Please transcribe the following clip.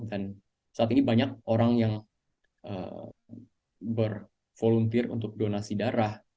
dan saat ini banyak orang yang bervoluntir untuk donasi darah